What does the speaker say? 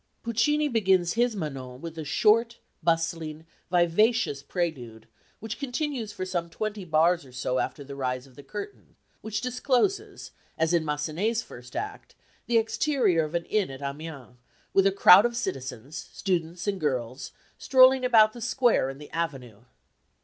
Puccini begins his Manon with a short, bustling, vivacious prelude which continues for some twenty bars or so after the rise of the curtain, which discloses, as in Massenet's first act, the exterior of an inn at Amiens, with a crowd of citizens, students and girls, strolling about the square and the avenue.